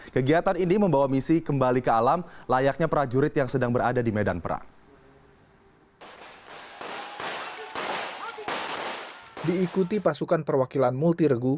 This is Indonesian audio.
kegiatan ini membawa misi kembali ke alam layaknya prajurit yang sedang berada di medan perang